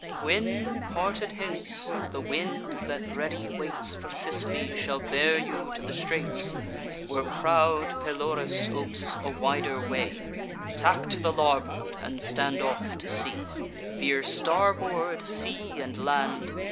'When, parted hence, the wind, that ready waits For Sicily, shall bear you to the straits Where proud Pelorus opes a wider way, Tack to the larboard, and stand off to sea: Veer starboard sea and land.